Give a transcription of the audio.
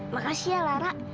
makasih ya farah